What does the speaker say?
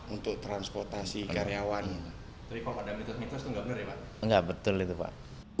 untuk transportasi karyawan betul itu pak